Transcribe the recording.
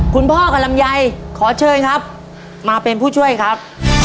คุณพ่อกับลำไยขอเชิญครับมาเป็นผู้ช่วยครับ